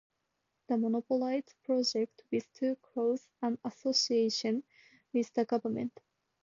The monopolized project with too close an association with the government.